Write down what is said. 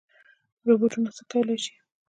روبوټونه څه کولی شي؟